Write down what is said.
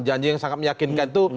janji yang sangat meyakinkan itu